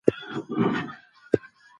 ته به کله تسلي راکوې؟